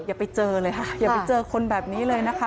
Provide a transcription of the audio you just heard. อย่าไปเจอเลยค่ะอย่าไปเจอคนแบบนี้เลยนะคะ